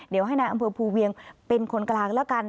เดี๋ยวให้นายอำเภอภูเวียงเป็นคนกลางแล้วกัน